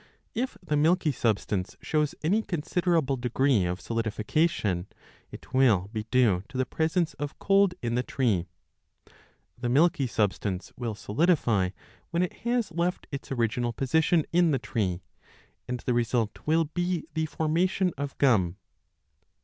2 If the milky substance shows any considerable degree of solidification, it will be due to the presence of cold in the tree. The milky substance will solidify when it has left its original position in the tree, 15 and the result will be the formation of gum.